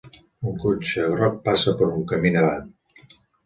Un cotxe groc passa per un camí nevat.